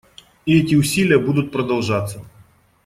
И эти усилия будут продолжаться.